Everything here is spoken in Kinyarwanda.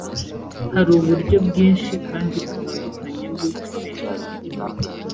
hari uburyo bwinshi kandi butandukanye bwo gusenga